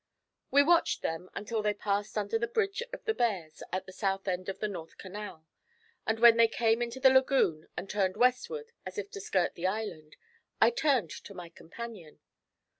We watched them until they passed under the bridge of the bears at the south end of the north canal, and when they came out into the lagoon and turned westward as if to skirt the island, I turned to my companion.